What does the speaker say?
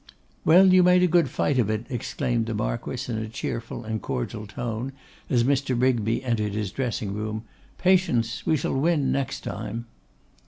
'Well, you made a good fight of it,' exclaimed the Marquess, in a cheerful and cordial tone, as Mr. Rigby entered his dressing room. 'Patience! We shall win next time.